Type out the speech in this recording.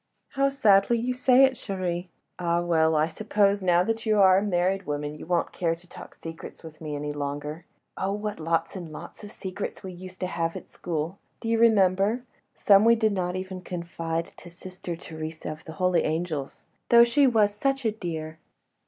"How sadly you say it, chérie. ... Ah, well, I suppose now that you are a married woman you won't care to talk secrets with me any longer. Oh! what lots and lots of secrets we used to have at school! Do you remember?—some we did not even confide to Sister Theresa of the Holy Angels—though she was such a dear."